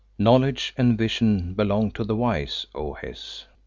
Knowledge and vision belong to the wise, O Hes."